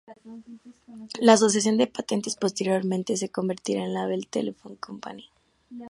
La Asociación de Patentes posteriormente se convertiría en la Bell Telephone Company.